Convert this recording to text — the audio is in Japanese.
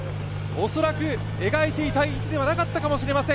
恐らく描いていた位置ではなかったかもしれません。